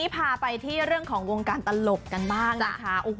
พาไปที่เรื่องของวงการตลกกันบ้างนะคะ